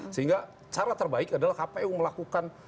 sehingga cara terbaik adalah kpu melakukan